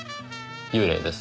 幽霊です。